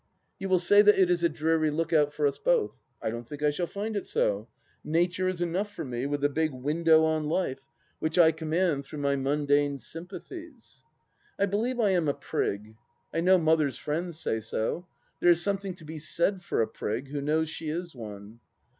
You will say that it is a dreary look out for us both. I don't think I shall find it so. Nature is enough for me, with the big window on life, which I command through my mundane sympathies. I believe I am a prig. I know Mother's friends say so. There is something to be said for a prig who knows she is one.